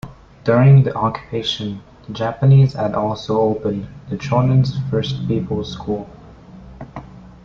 During the occupation, the Japanese had also opened the Shonan First People's School.